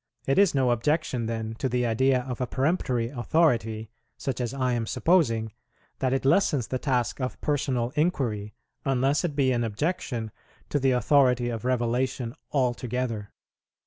It is no objection then to the idea of a peremptory authority, such as I am supposing, that it lessens the task of personal inquiry, unless it be an objection to the authority of Revelation altogether.